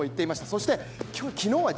そして昨日は